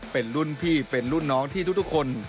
เป็นรุ่นพี่เป็นรุ่นน้องที่ทุกคน